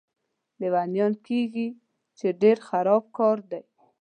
لیونیان کېږي، چې ډېر خراب کار دی.